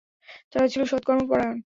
তারা ছিল সৎকর্মপরায়ণ।